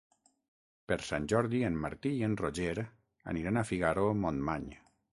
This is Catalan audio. Per Sant Jordi en Martí i en Roger aniran a Figaró-Montmany.